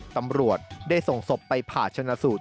ตำรวจได้ส่งศพไปผ่าชนะสูตร